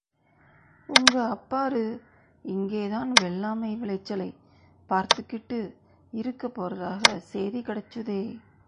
உங்க அப்பாரு இங்கேதான் வெள்ளாமை விளைச்சலைப் பார்த்துக்கிட்டு இருக்கப் போறதாகச் சேதி கிடைச்சுதே...?